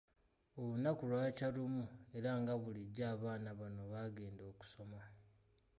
Olunaku lwakya lumu era nga bulijjo abaana bano baagenda okusoma.